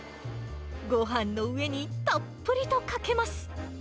ごはんの上にたっぷりとかけます。